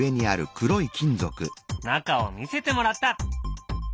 中を見せてもらった。